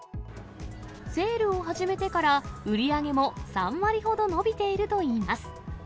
セールを始めてから、売り上げも３割ほど伸びているといいます。